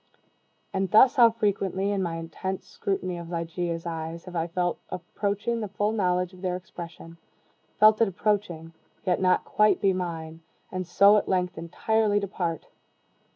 And thus how frequently, in my intense scrutiny of Ligeia's eyes, have I felt approaching the full knowledge of their expression felt it approaching yet not quite be mine and so at length entirely depart!